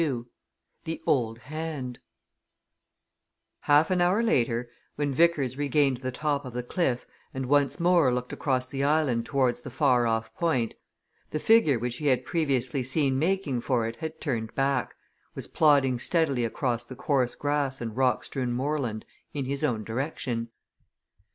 CHAPTER XXII THE OLD HAND Half an hour later, when Vickers regained the top of the cliff and once more looked across the island towards the far off point, the figure which he had previously seen making for it had turned back, and was plodding steadily across the coarse grass and rock strewn moorland in his own direction.